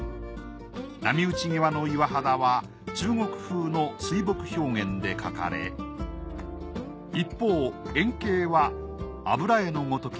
波打ち際の岩肌は中国風の水墨表現で描かれ一方遠景は油絵のごとき